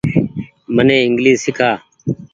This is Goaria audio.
مني انگليش سيڪآ۔